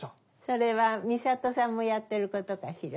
それは美里さんもやってることかしら？